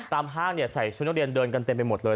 ตามทางเนี่ยใส่ชุดนักเรียนเดินกันเต็มไปหมดเลย